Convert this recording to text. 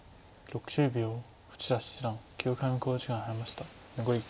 富士田七段９回目の考慮時間に入りました。